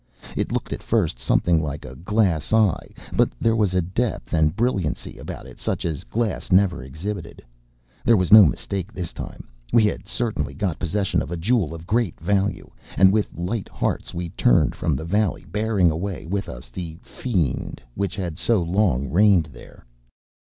It looked at first something like a glass eye; but there was a depth and brilliancy about it such as glass never exhibited. There was no mistake this time; we had certainly got possession of a jewel of great value; and with light hearts we turned from the valley, bearing away with us the “fiend” which had so long reigned there.